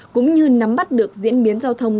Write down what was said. cũng như nắm bắt được diễn biến giao thông